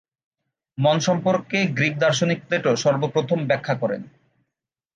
মন সম্পর্কে গ্রীক দার্শনিক প্লেটো সর্বপ্রথম ব্যাখ্যা করেন।